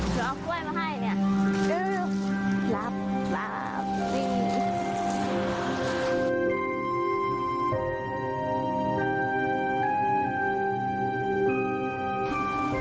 หนูเอากล้วยมาให้เนี่ย